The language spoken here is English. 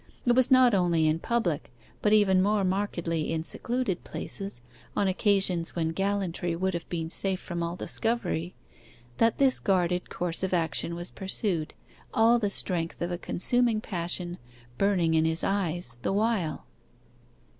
It was not only in public, but even more markedly in secluded places, on occasions when gallantry would have been safe from all discovery, that this guarded course of action was pursued, all the strength of a consuming passion burning in his eyes the while.